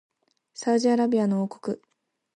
サウジアラビアの国王